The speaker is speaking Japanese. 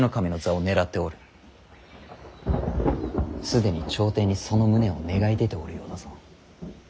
既に朝廷にその旨を願い出ておるようだぞ。